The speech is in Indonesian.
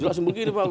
jelasin begini pak